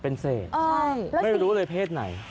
เป็นเศษไม่รู้เลยเพศไหน